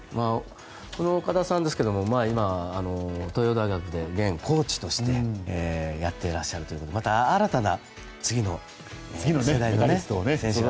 岡田さんですが今、東洋大学で現コーチとしてやってらっしゃるということでまた新たな次の世代の選手が。